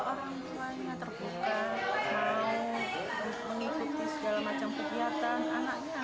daripada orang tua yang tidak mau membuka diri untuk mengasah kemampuan anaknya